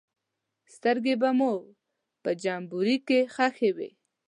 سترګې به مو په جمبوري کې ښخې وې.